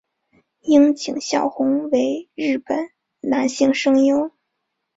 樱井孝宏为日本男性声优。